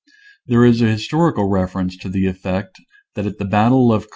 There is a historical reference to the effect that at the battle of 219 / I